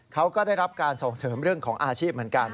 เขาก็ได้รับการส่งเสริมเรื่องของอาชีพเหมือนกัน